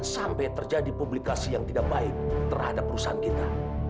sampai jumpa di video selanjutnya